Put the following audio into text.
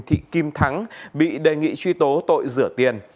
thị kim thắng bị đề nghị truy tố tội rửa tiền